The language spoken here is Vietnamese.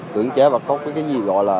cưỡng chế và có cái gì gọi là